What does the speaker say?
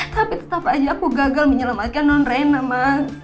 tapi tetap aja aku gagal menyelamatkan non rena mas